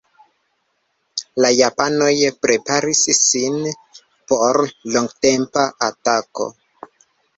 La japanoj preparis sin por longtempa atako.